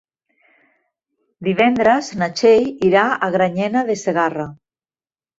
Divendres na Txell irà a Granyena de Segarra.